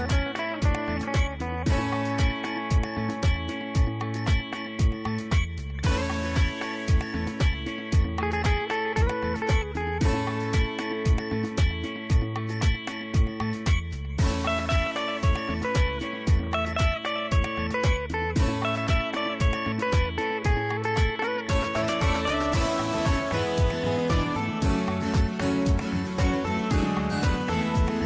โปรดติดตามตอนต่อไป